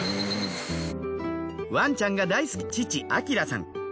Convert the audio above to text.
ワンちゃんが大好きだった父晃さん。